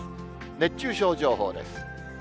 熱中症情報です。